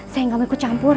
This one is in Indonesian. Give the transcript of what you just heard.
saya tidak mau ikut campur